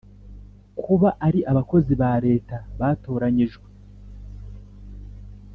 kuba ari abakozi ba Leta batoranyijwe